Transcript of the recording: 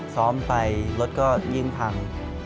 ซ้อมไปรถก็ยิ่งพัง